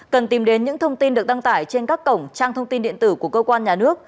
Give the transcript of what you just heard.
cần tìm đến những thông tin được đăng tải trên các cổng trang thông tin điện tử của cơ quan nhà nước